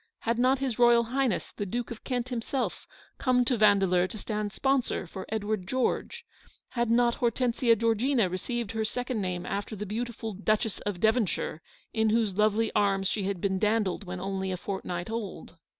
Had not his Royal Highness, the Duke of Kent himself, come to Yandeleur to stand sponsor for Edward George I Had not Hor tensia Georgina received her second name after the beautiful Duchess of Devonshire, in whose lovely arms she had been dandled when only a fortnight old?